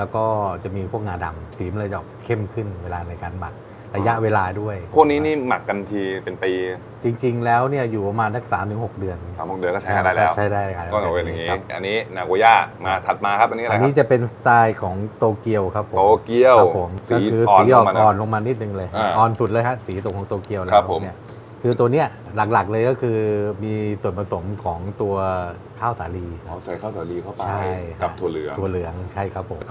และก็จะมีพวกงาดำสีมันจะเข้มขึ้นเวลากการหมักอายะเวลาด้วยพวกนี้หมักกันทีเป็นปีจริงแล้วอยู่นักมาถึง๓๖เดือนก็ใช้ก็จะเป็นสไตล์ของโตเกียวครับเป็นความฝนของโตเกียวครับเป็นนี่นี่ล่างหลักเลยก็คือมีส่วนผสมของตัวข้าวสาลีเข้าไปตัวหนื้อเอา